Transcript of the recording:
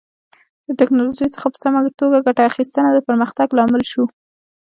له ټکنالوژۍ څخه په سمه توګه ګټه اخیستنه د پرمختګ لامل شو.